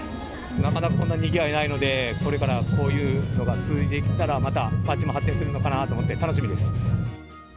なかなかこんなにぎわいないので、これからこういうのが続いていったら、また町も発展するのかなと思って、楽しみです。